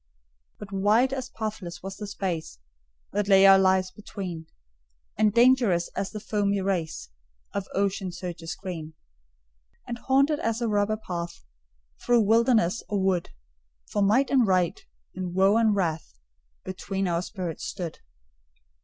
But wide as pathless was the space That lay our lives between, And dangerous as the foamy race Of ocean surges green. And haunted as a robber path Through wilderness or wood; For Might and Right, and Woe and Wrath, Between our spirits stood.